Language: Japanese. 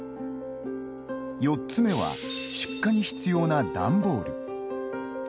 ４つ目は、出荷に必要な段ボール。